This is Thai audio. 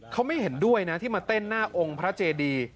เขาไม่เห็นด้วยนะที่มาเต้นหน้าองค์พระเจดี